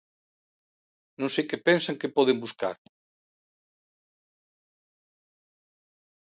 Non sei que pensan que poden buscar.